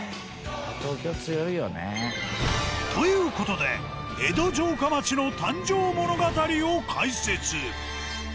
「東京強いよね」という事で江戸城下町の誕生物語を解説。